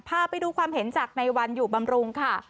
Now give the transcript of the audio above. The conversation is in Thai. พาไปดูความเห็นจากในวันอยู่บำรุงค่ะ